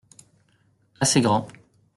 Assez grand.